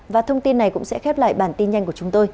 và thông tin này cũng sẽ khép lại bản tin nhanh của chúng tôi